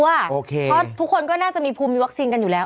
เพราะทุกคนก็น่าจะมีภูมิมีวัคซีนกันอยู่แล้ว